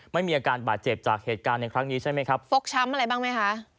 ไม่มีอาการบาดเจ็บจากเหตุการณ์ในครั้งนี้ใช่ไหมครับฟกช้ำอะไรบ้างไหมคะ